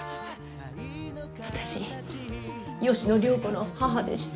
私吉野涼子の母でして。